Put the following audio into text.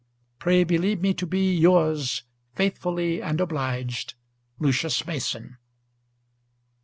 Pray believe me to be Yours, faithfully and obliged, LUCIUS MASON.